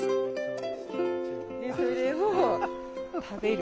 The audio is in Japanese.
でそれを食べる。